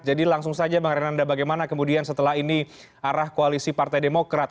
jadi langsung saja bang renanda bagaimana kemudian setelah ini arah koalisi partai demokrat